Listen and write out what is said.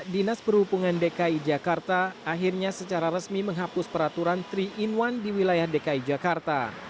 dinas perhubungan dki jakarta akhirnya secara resmi menghapus peraturan tiga in satu di wilayah dki jakarta